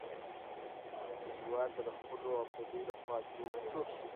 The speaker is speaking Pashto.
نو هېواد به د خپلو او پردیو لخوا چور شي.